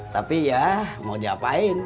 tapi ya mau diapain